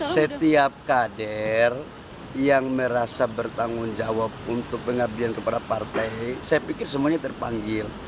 setiap kader yang merasa bertanggung jawab untuk pengabdian kepada partai saya pikir semuanya terpanggil